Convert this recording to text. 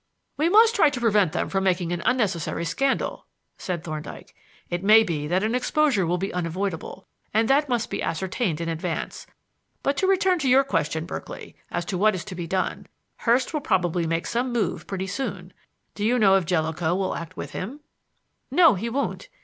"We must try to prevent them from making an unnecessary scandal," said Thorndyke. "It may be that an exposure will be unavoidable, and that must be ascertained in advance. But to return to your question, Berkeley, as to what is to be done. Hurst will probably make some move pretty soon. Do you know if Jellicoe will act with him?" "No, he won't.